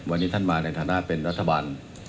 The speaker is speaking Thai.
วันนี้ท่านมาในฐานะเป็นรัฐบาล